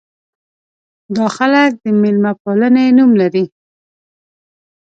دا خلک د مېلمه پالنې نوم لري.